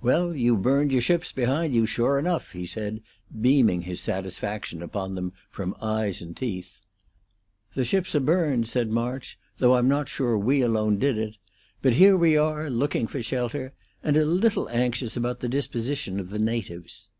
"Well, you've burned your ships behind you, sure enough," he said, beaming his satisfaction upon them from eyes and teeth. "The ships are burned," said March, "though I'm not sure we alone did it. But here we are, looking for shelter, and a little anxious about the disposition of the natives."